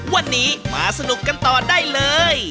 วันนี้มาสนุกกันต่อได้เลย